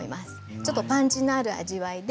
ちょっとパンチのある味わいで。